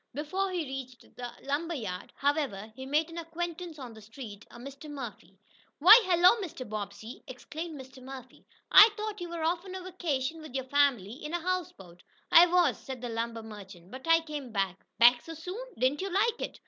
Before he reached the lumber yard, however, he met an acquaintance on the street, a Mr. Murphy. "Why, hello, Mr. Bobbsey!" exclaimed Mr. Murphy. "I thought you were off on a vacation with your family in a houseboat." "I was," said the lumber merchant, "but I came back." "Back so soon? Didn't you like it?"